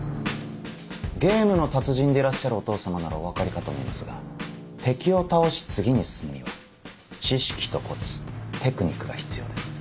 ゲームの達人でいらっしゃるお父様ならお分かりかと思いますが敵を倒し次に進むには知識とコツテクニックが必要です。